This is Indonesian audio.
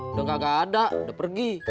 udah gak ada udah pergi